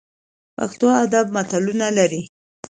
پښتو ادب متلونه لري